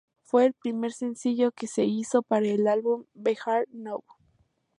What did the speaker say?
Fue el primer sencillo que se hizo para el álbum Be Here Now.